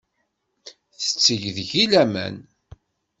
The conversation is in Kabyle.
Tetteg deg-i laman.